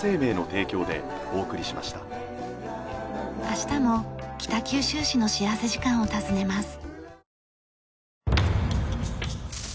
明日も北九州市の幸福時間を訪ねます。